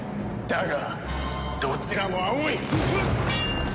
だがどちらも青い！